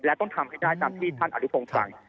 และต้องทำให้ได้ตามที่ท่านอนุพงศ์สั่ง